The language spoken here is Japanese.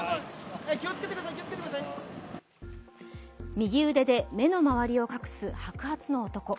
右腕で目の周りを隠す白髪の男。